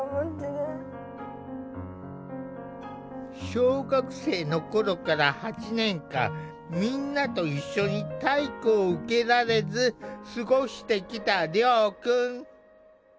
小学生の頃から８年間みんなと一緒に体育を受けられず過ごしてきた遼くん。